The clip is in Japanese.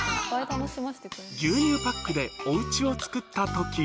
牛乳パックでおうちを作ったとき。